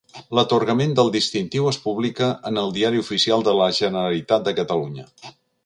L'atorgament del Distintiu es publica en el Diari Oficial de la Generalitat de Catalunya.